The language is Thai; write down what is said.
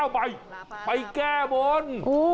๙ใบไปแก้บน